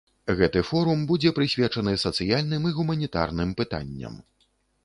Гэты форум будзе прысвечаны сацыяльным і гуманітарным пытанням.